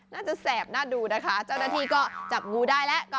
แสบน่าดูนะคะเจ้าหน้าที่ก็จับงูได้แล้วก็